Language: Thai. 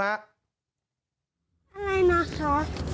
อะไรนะคะ